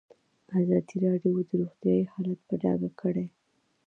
ازادي راډیو د روغتیا حالت په ډاګه کړی.